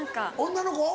女の子？